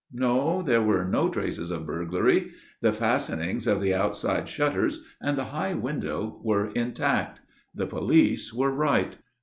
No; there were no traces of burglary. The fastenings of the outside shutters and the high window were intact. The police were right.